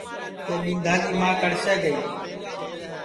کہ ٻِندھا کی کڑسے گئی